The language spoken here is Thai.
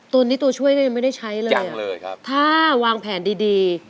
ตัวนี้ตัวช่วยก็ยังไม่ได้ใช้เลยยังเลยครับถ้าวางแผนดีดี